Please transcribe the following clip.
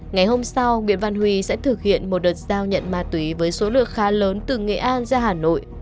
ngày hôm sau nguyễn văn huy sẽ thực hiện một đợt giao nhận ma túy với số lượng khá lớn từ nghệ an ra hà nội